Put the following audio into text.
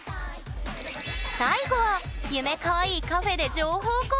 最後はゆめかわいいカフェで情報交換！